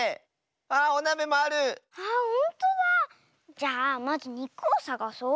じゃあまずにくをさがそう。